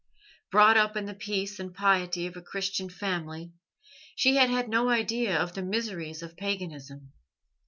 Brought up in the peace and piety of a Christian family, she had had no idea of the miseries of paganism.